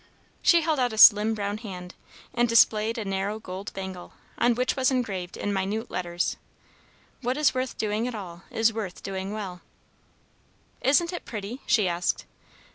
She held out a slim brown hand, and displayed a narrow gold bangle, on which was engraved in minute letters, "What is worth doing at all, is worth doing well." "Isn't it pretty?" she asked.